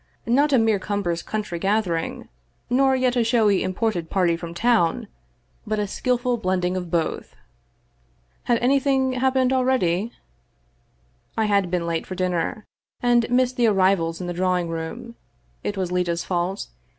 Not a mere cumbrous county gathering, nor yet a showy im ported party from town, but a skillful blending of both. Had anything happened already? I had been late for din ner and missed the arrivals in the drawing room. It was Leta's fault.